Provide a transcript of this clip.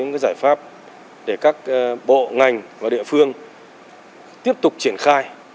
cái giải pháp để các bộ ngành và địa phương tiếp tục triển khai